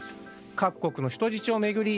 各国の人質を巡り